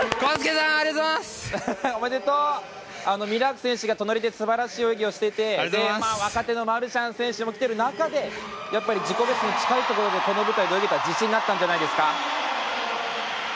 ミラーク選手が隣で素晴らしい泳ぎをしていて前半、若手のマルシャン選手もきているところで自己ベストに近いところでこの舞台で泳げたって自信になったんじゃないですか？